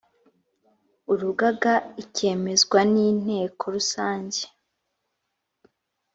urugaga ikemezwa n inteko rusange